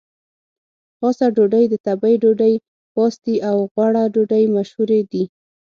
خاصه ډوډۍ، د تبۍ ډوډۍ، پاستي او غوړه ډوډۍ مشهورې دي.